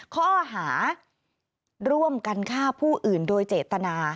ข้อหาร่วมกันฆ่าผู้อื่นโดยเจตนา